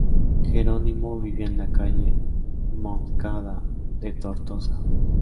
Jerónimo vivía en la calle Montcada de Tortosa.